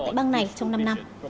tại bang này trong năm năm